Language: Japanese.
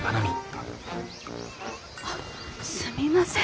あっすみません。